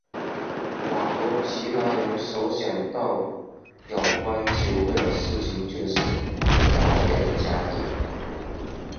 我和其他人所想到有关球会的事情就是亚维的家庭。